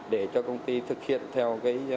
để cho công ty thực hiện theo